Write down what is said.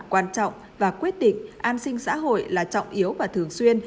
quan trọng và quyết định an sinh xã hội là trọng yếu và thường xuyên